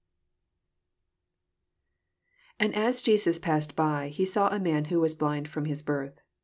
1 And as Juus passed by, he saw a man which was blind from hut birth.